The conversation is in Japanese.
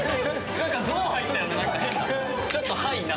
なんかゾーン入ったよね、変な。